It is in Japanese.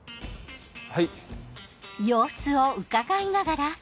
はい。